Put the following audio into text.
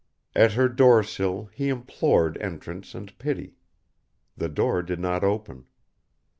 At her door sill he implored entrance and pity. The door did not open.